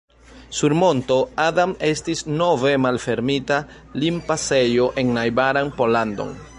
Sur monto Adam estis nove malfermita limpasejo en najbaran Pollandon.